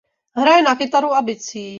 Hraje na kytaru a bicí.